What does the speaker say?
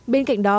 bên cạnh đó